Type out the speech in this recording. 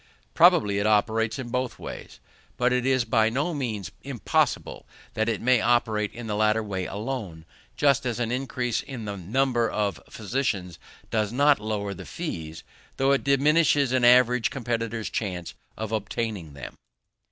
Probably it operates in both ways; but it is by no means impossible that it may operate in the latter way alone: just as an increase in the number of physicians does not lower the fees, though it diminishes an average competitor's chance of obtaining them.